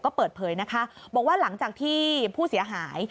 ก็เปิดเผยนะคะบอกว่าหลังจากที่ผู้เสียหาย